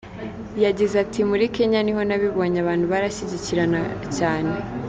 Yagize ati : “Muri Kenya ni ho nabibonye, abantu barashyigikirana cyane.